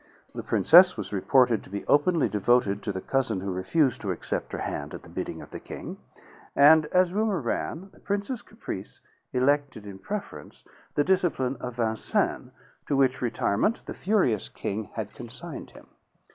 The princess was reported to be openly devoted to the cousin who refused to accept her hand at the bidding of the king; and, as rumor ran, the prince's caprice elected in preference the discipline of Vincennes, to which retirement the furious king had consigned him.